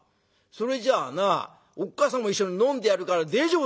それじゃあなおっ母さんも一緒に飲んでやるから大丈夫だ」。